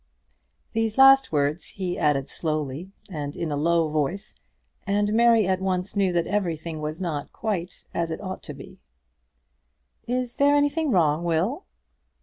These last words he added slowly, and in a low voice, and Mary at once knew that everything was not quite as it ought to be. "Is there anything wrong, Will?"